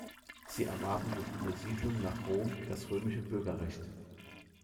Sie erwarben durch Übersiedelung nach Rom das römische Bürgerrecht.